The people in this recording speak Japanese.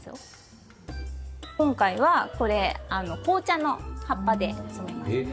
今回はこれ紅茶の葉っぱで染めます。